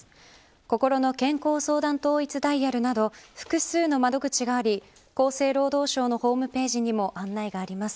こころの健康相談統一ダイヤルなど複数の窓口があり厚生労働省のホームページにも案内があります。